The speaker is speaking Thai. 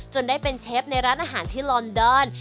ได้เป็นเชฟในร้านอาหารที่ลอนดอน